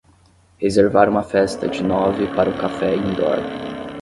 reservar uma festa de nove para um café indoor